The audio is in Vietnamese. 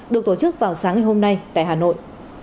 được tổ chức vào sáng ngày hôm nay tại hà nội